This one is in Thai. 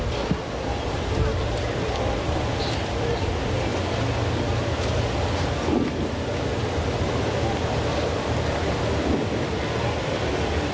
สวัสดีครับ